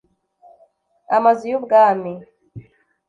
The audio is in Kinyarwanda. amazu y’ubwami